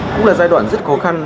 cũng là giai đoạn rất khó khăn